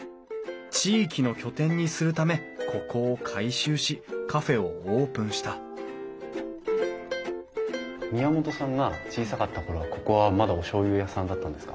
地域の拠点にするためここを改修しカフェをオープンした宮本さんが小さかった頃はここはまだおしょうゆ屋さんだったんですか？